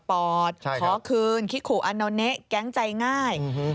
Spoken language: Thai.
ขอขอคืนคิคกุอันนาวเนะแก๊งใจง่าย